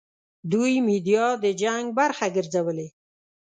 دوی میډیا د جنګ برخه ګرځولې.